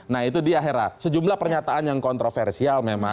nah itu di akhirat sejumlah pernyataan yang kontroversial